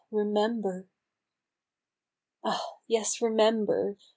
Remember, Ah ! yes, remember